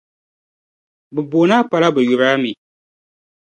'Bɛ booni a' pa la 'bɛ yur' a mi'.